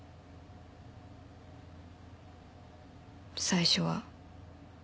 最初は。